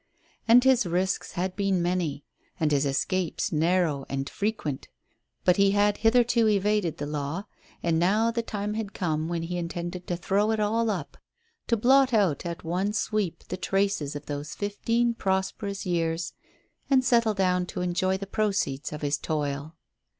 And his risks had been many, and his escapes narrow and frequent. But he had hitherto evaded the law, and now the time had come when he intended to throw it all up to blot out at one sweep the traces of those fifteen prosperous years, and settle down to enjoy the proceeds of his toil.